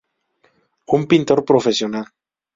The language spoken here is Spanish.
Un pintor profesional.